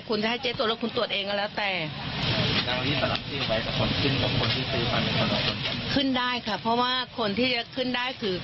คุณจะให้เจ๊ตรวจแล้วคุณตรวจเองก็แล้วแต่อ่าคืนได้ค่ะเพราะว่าคนที่จะขึ้นได้คือ